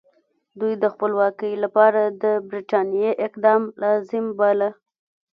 دوی د خپلواکۍ لپاره د برټانیې اقدام لازم باله.